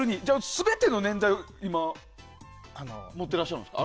全ての年代を今持ってらっしゃるんですか？